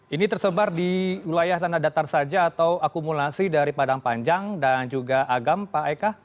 ini tersebar di wilayah tanah datar saja atau akumulasi dari padang panjang dan juga agam pak eka